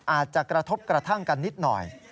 อาจจะกระทบกระทั่งกันนิดหน่อย